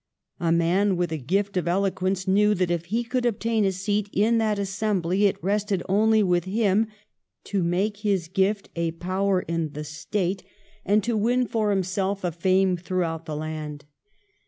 A man with a gift of eloquence knew that if he could obtain a seat in that assembly it rested only with him to make his gift a power in the State and to win for himself 1702 14 THE AVENUE TO INFLUENCE. 391 a fame throughout the land.